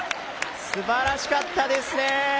すばらしかったですね！